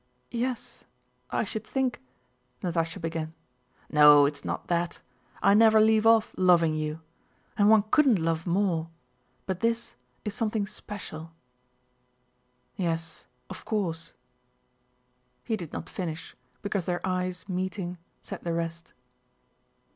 "Yes, I should think..." Natásha began. "No, it's not that. I never leave off loving you. And one couldn't love more, but this is something special.... Yes, of course—" he did not finish because their eyes meeting said the rest.